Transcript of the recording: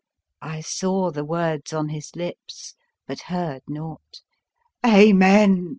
I saw the words on his lips but heard naught. " Amen!